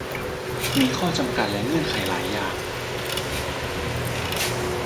มีข้อจำกัดและเงื่อนไขหลายอย่าง